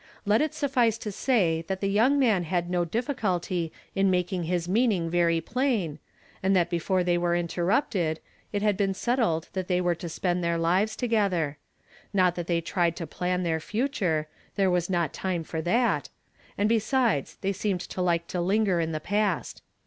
Let it suffice to say that the young man had no diffi culty in making his meaning very plain, and that before Oiey were interrupted, it had been settled that they were to spend their lives together. Not that they tried to plan their future, there was not time for that ; and, besides, they seemed to like to linger in the past.